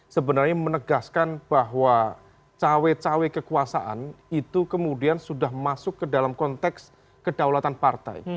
sebenarnya menegaskan bahwa cawe cawe kekuasaan itu kemudian sudah masuk ke dalam konteks kedaulatan partai